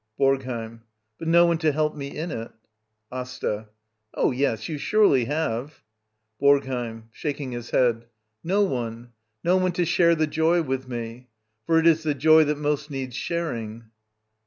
BoRGHEiM. But no one to help me in it. AsTA. Oh, yes, you surely have. BoRGHEiM. [Shaking his head.] No one. No . onc^to share the joy with me. For it is the joy that *^ost needs sharing.